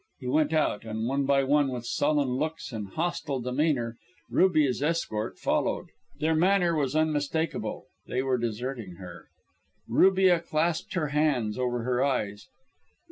He went out, and one by one, with sullen looks and hostile demeanour, Rubia's escort followed. Their manner was unmistakable; they were deserting her. Rubia clasped her hands over her eyes.